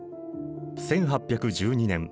１８１２年。